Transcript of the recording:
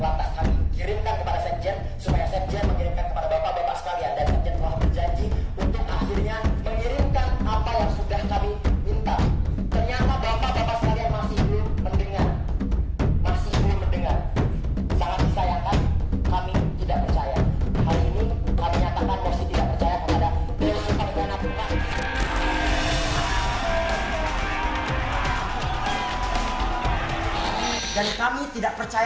menjanji untuk akhirnya mengirimkan apa yang sudah kami minta